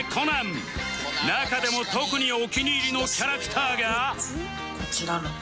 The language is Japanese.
中でも特にお気に入りのキャラクターが